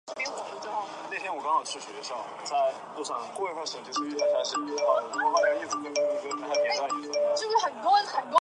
动力博物馆众所周知是其中一个受欢迎的悉尼旅游景点。